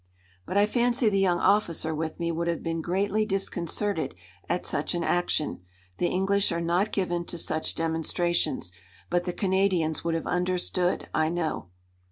But I fancy the young officer with me would have been greatly disconcerted at such an action. The English are not given to such demonstrations. But the Canadians would have understood, I know.